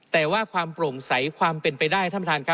แต่ว่าความโปร่งใสความเป็นไปได้